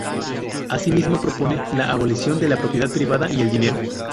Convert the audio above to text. Así mismo propone la abolición de la propiedad privada y el dinero.